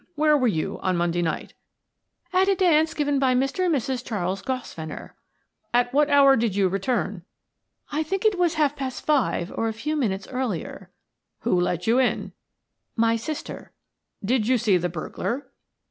"Where were you on Monday night?" "At a dance given by Mr. and Mrs. Charles Grosvenor." "At what hour did you return?" "I think it was half past five or a few minutes earlier." "Who let you in?" "My sister." "Did you see the burglar?"